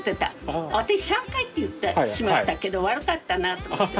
私３回って言ってしまったけど悪かったなと思って。